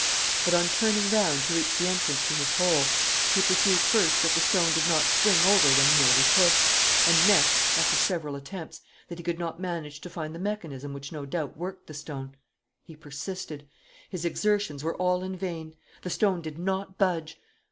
But, on turning round to reach the entrance to his hole, he perceived first that the stone did not swing over when merely pushed, and, next, after several attempts, that he could not manage to find the mechanism which no doubt worked the stone. He persisted. His exertions were all in vain. The stone did not budge.